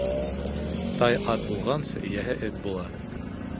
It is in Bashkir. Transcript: Тай ат булғансы, эйәһе эт була.